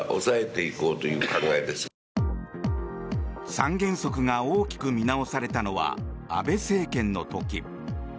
三原則が大きく見直されたのは安倍政権の時。